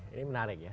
ini menarik ya